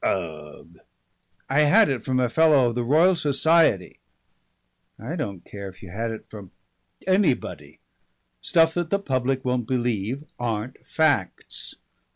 "Ugh!" "I had it from a Fellow of the Royal Society " "I don't care if you had it from anybody. Stuff that the public won't believe aren't facts.